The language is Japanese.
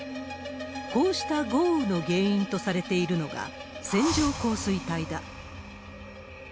こうした豪雨の原因とされているのが線状降水帯だ。